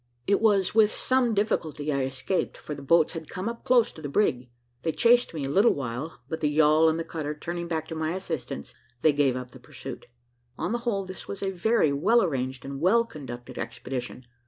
It was with some difficulty I escaped, for the boats had come up close to the brig; they chased me a little while, but the yawl and the cutter turning back to my assistance, they gave up the pursuit. On the whole, this was a very well arranged and well conducted expedition.